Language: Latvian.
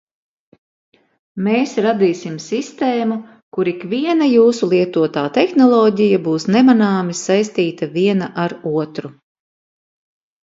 Mēs radīsim sistēmu, kur ikviena jūsu lietotā tehnoloģija būs nemanāmi saistīta viena ar otru.